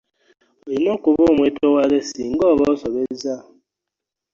Olina okuba omwetowaze singa oba osobezza.